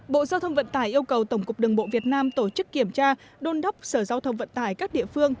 bộ giao thông vận tải yêu cầu tổng cục đường bộ việt nam tổ chức kiểm tra đôn đốc sở giao thông vận tải các địa phương